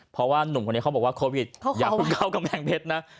เพราะว่านุ่มคนนี้เขาบอกว่าโควิดอย่าเพิ่งเข้ากำแพงเพชรนะ